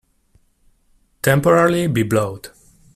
Temporarily be blowed.